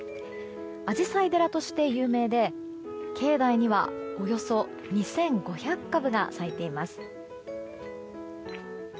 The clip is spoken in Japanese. アジサイ寺として有名で境内にはおよそ２５００株が咲いています。